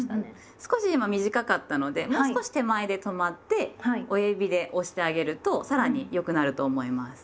少し今短かったのでもう少し手前で止まって親指で押してあげるとさらに良くなると思います。